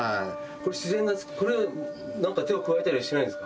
これ自然がこれ何か手を加えたりはしてないんですか？